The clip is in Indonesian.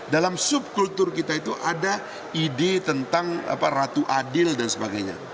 dalam subkultur kita itu ada ide tentang ratu adil dan sebagainya